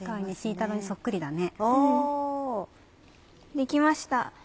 できました。